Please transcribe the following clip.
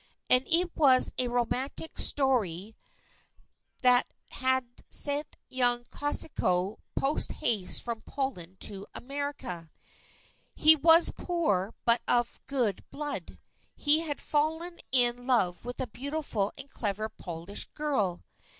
And it was a romantic story that had sent young Kosciuszko post haste from Poland to America. He was poor but of good blood. He had fallen in love with a beautiful and clever Polish girl.